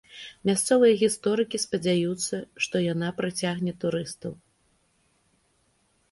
Мясцовыя гісторыкі спадзяюцца, што яна прыцягне турыстаў.